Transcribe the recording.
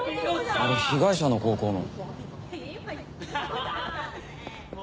あれ被害者の高校の。